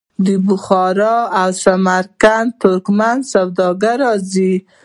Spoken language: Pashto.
د بخارا او سمرقند ترکمن سوداګر راځي.